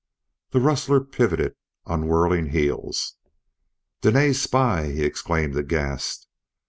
The rustler pivoted on whirling heels. "Dene's spy!" he exclaimed, aghast.